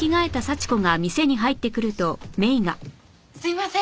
すいません。